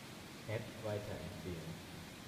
App weiterempfehlen.